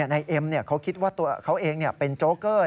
นายเอ็มเขาคิดว่าตัวเขาเองเป็นโจ๊เกอร์